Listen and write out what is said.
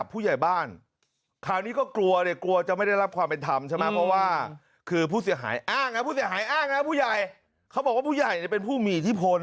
บอกว่าผู้ใหญ่เนี่ยเป็นผู้มีอิทธิพล